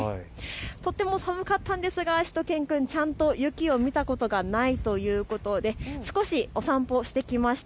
とっても寒かったんですがしゅと犬くん、ちゃんと雪を見たことがないということで少しお散歩してきました。